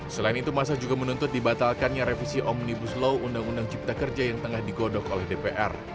selain itu masa juga menuntut dibatalkannya revisi omnibus law undang undang cipta kerja yang tengah digodok oleh dpr